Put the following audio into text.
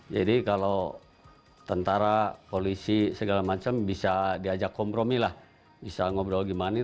jadi kalau tentara polisi segala macam bisa diajak kompromi lah bisa ngobrol gimana